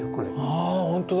あほんとだ。